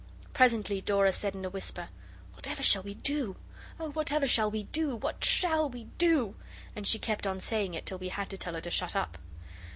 Presently Dora said in a whisper 'Whatever shall we do? Oh, whatever shall we do what shall we do?' And she kept on saying it till we had to tell her to shut up.